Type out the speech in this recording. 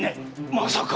まさか！